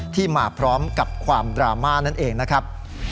ที่มาพร้อมกับความดราม่านั่นเองนะครับ